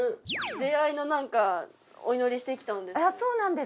出会いの何かお祈りしてきたんです。